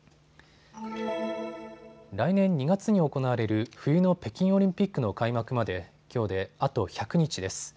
来年２月に行われる冬の北京オリンピックの開幕まできょうであと１００日です。